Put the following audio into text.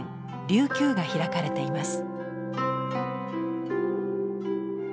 琉球が開かれています。